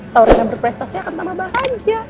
tawarkan berprestasi akan sama bahagia